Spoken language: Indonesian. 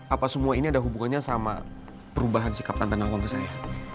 apa semua ini ada hubungannya sama perubahan sikap tante aku ke saya